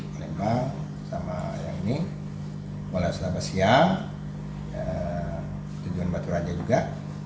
dan yang lainnya kuala setabas siang tujuan batu raja juga